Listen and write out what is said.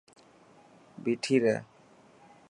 ٻيٺي رهه.